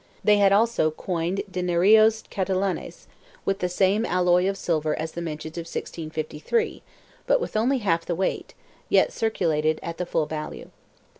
They had also coined dinerillos Catalanes, with the same alloy of silver as the mintage of 1653, but with only half the weight, yet circulated at the full value.